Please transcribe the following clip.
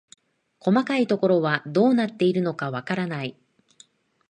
細かいところはどうなっているのかわからない